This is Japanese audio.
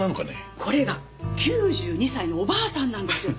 これが９２歳のおばあさんなんですよ。